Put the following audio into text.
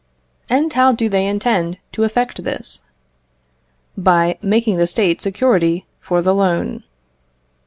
And how do they intend to effect this? By making the State security for the loan.